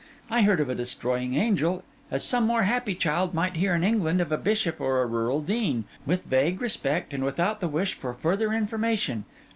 I heard of a Destroying Angel as some more happy child might hear in England of a bishop or a rural dean, with vague respect and without the wish for further information.